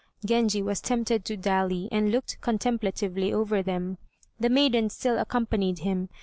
Genji was tempted to dally, and looked contemplatively over them. The maiden still accompanied him.